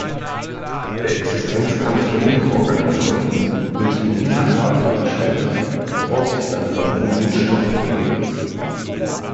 Der Existenzkampf der Mikroorganismen bildet in dieser Phase Rückstände, woraus sich langsam Huminstoffe bilden.